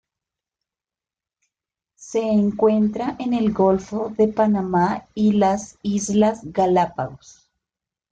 Se encuentra en el Golfo de Panamá y las Islas Galápagos.